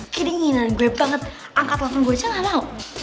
kira kira nginer gue banget angkat telepon gue aja gak mau